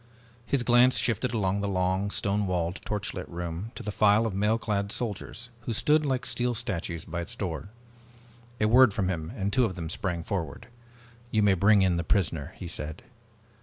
His glance shifted along the long stone walled, torchlit room to the file of mail clad soldiers who stood like steel statues by its door. A word from him and two of them sprang forward. "You may bring in the prisoner," he said.